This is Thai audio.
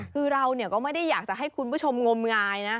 คือเราก็ไม่ได้อยากจะให้คุณผู้ชมงมงายนะ